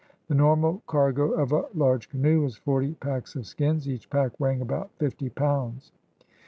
The normal cargo of a large canoe was forty packs of skins, each pack weighing about fifty poimds.